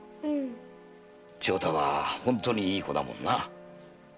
長太は本当にいい子だもんな。